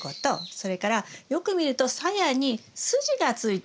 それからよく見るとさやに筋がついてると思うんです。